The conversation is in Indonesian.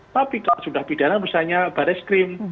tapi kalau sudah pidana misalnya baris krim